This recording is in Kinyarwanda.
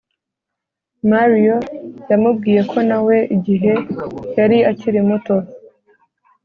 Mario yamubwiye ko na we igihe yari akiri muto